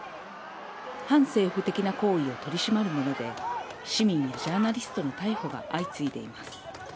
反政府的な行為を取り締まるもので、市民、ジャーナリストの逮捕が相次いでいます。